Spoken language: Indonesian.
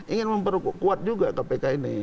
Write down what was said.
ingin memperkuat juga kpk ini